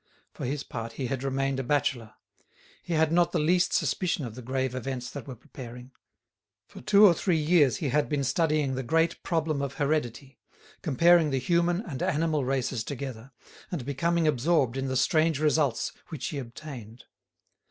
For his part he had remained a bachelor. He had not the least suspicion of the grave events that were preparing. For two or three years he had been studying the great problem of heredity, comparing the human and animal races together, and becoming absorbed in the strange results which he obtained.